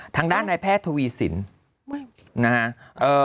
ทางด้านนายแพทย์ทวีสินนะฮะ